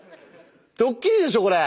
ドッキリでしょ？これ。